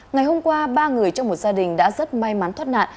ngày hôm qua ba người trong một gia đình đã rất may mắn thoát nạn